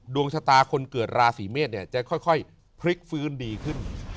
ดวงชะตาคนเกิดราศีเมษจะค่อยพลิกฟื้นดีขึ้น